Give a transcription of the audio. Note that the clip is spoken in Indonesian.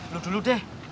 lo dulu deh